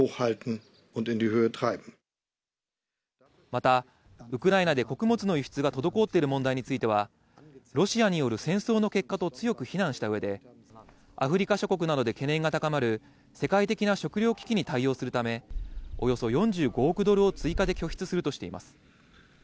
また、ウクライナで穀物の輸出が滞っている問題については、ロシアによる戦争の結果と強く非難した上でアフリカ諸国などで懸念が高まる世界的な食糧危機に対応するため、およそ４５億ドルを追加で拠出するとしています。